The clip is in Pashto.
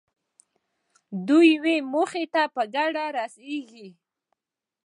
دوی یوې موخې ته په ګډه رسېږي.